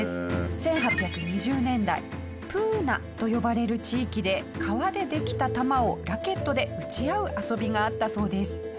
１８２０年代プーナと呼ばれる地域で革でできた球をラケットで打ち合う遊びがあったそうです。